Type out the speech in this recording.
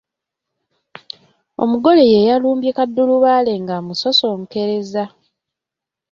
Omugole y’eyalumbye kaddulubaale ng’amusosonkereza.